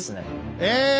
え！